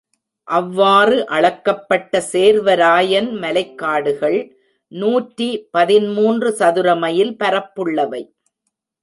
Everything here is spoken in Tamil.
அவ்வாறு அளக்கப்பட்ட சேர்வராயன் மலைக்காடுகள் நூற்றி பதிமூன்று சதுரமைல் பரப்புள்ளவை.